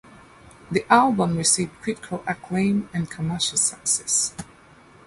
The album received critical acclaim and commercial success.